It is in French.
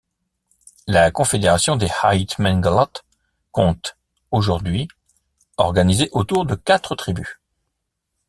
La confédération des Aït Menguellat compte aujourd'hui organisés autour de quatre tribus.